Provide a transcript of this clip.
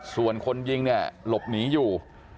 ส่วนคนยิงเนี่ยหลบหนีอยู่